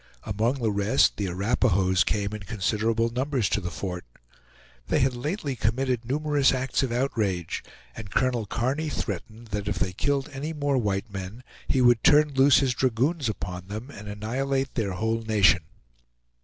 Among the rest, the Arapahoes came in considerable numbers to the fort. They had lately committed numerous acts of outrage, and Colonel Kearny threatened that if they killed any more white men he would turn loose his dragoons upon them, and annihilate their whole nation.